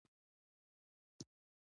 وړتیاوو کچه ته ځان ورسوو.